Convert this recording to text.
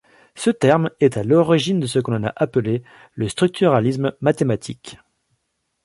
Ce terme est à l'origine de ce que l'on a appelé le structuralisme mathématique.